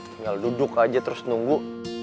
tinggal duduk aja terus nunggu